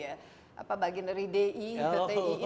apa bagian dari di dti